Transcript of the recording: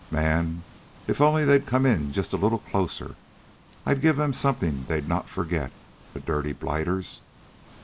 Man! If only they'd come in just a little closer. I'd give them something they'd not forget, the dirty blighters!"